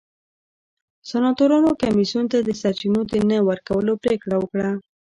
سناتورانو کمېسیون ته د سرچینو د نه ورکولو پرېکړه وکړه.